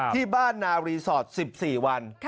ที่บ้านนารีสอร์ท๑๔วัน